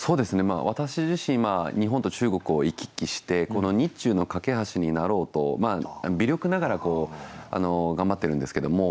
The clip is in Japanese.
私自身日本と中国を行き来してこの日中の懸け橋になろうと微力ながら頑張ってるんですけども。